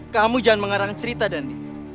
kamu jangan mengarang cerita dandi